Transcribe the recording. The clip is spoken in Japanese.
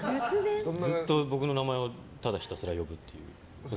ずっと僕の名前をただひたすら呼ぶっていう。